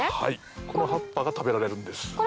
この葉っぱが食べられるんです。